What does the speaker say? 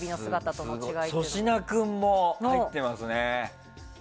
粗品君も入ってますね。